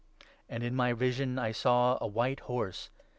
And in my vision I saw ' a black horse.'